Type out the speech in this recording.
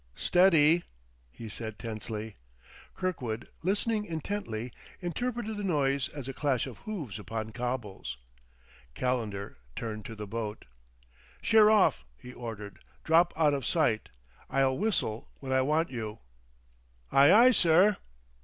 Steady!" he said tensely. Kirkwood, listening intently, interpreted the noise as a clash of hoofs upon cobbles. Calendar turned to the boat. "Sheer off," he ordered. "Drop out of sight. I'll whistle when I want you." "Aye, aye, sir."